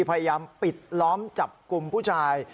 พยายามปิดล้อมจับกลุ่มผู้ชาย